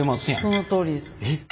そのとおりです。